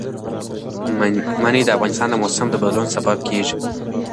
منی د افغانستان د موسم د بدلون سبب کېږي.